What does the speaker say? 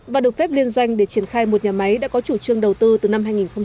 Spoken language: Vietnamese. và được phép liên doanh để triển khai một nhà máy đã có chủ trương đầu tư từ năm hai nghìn một mươi